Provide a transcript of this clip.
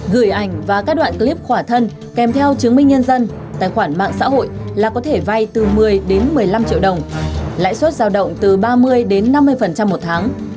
gửi ảnh và các đoạn clip khỏa thân kèm theo chứng minh nhân dân tài khoản mạng xã hội là có thể vay từ một mươi đến một mươi năm triệu đồng lãi suất giao động từ ba mươi đến năm mươi một tháng